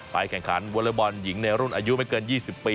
แข่งขันวอเลอร์บอลหญิงในรุ่นอายุไม่เกิน๒๐ปี